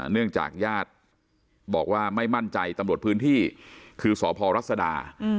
เนื่องจากญาติบอกว่าไม่มั่นใจตำรวจพื้นที่คือสพรัศดา